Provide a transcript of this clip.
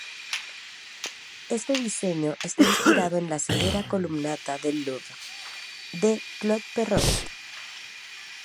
Este diseño está inspirado en la severa Columnata del Louvre de Claude Perrault.